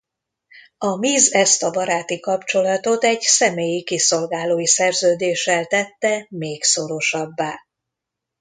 A Miz ezt a baráti kapcsolatot egy személyi kiszolgálói szerződéssel tette még szorosabbá.